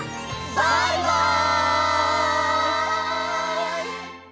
バイバイ！